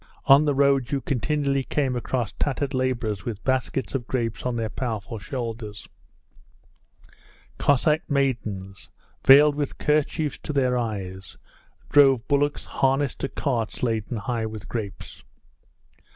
On the road you continually came across tattered labourers with baskets of grapes on their powerful shoulders; Cossack maidens, veiled with kerchiefs to their eyes, drove bullocks harnessed to carts laden high with grapes.